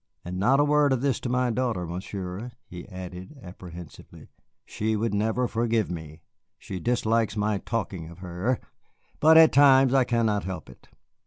And not a word of this to my daughter, Monsieur," he added apprehensively; "she would never forgive me. She dislikes my talking of her, but at times I cannot help it.